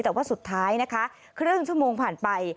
แต่ว่าสุดท้ายนะคะครึ่งชั่วโมงผ่านไป